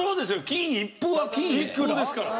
金一封は金一封ですから。